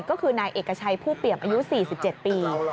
ก็คือนายเอกชัยผู้เปี่ยมอายุ๔๗ปี